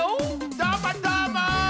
どーもどーも！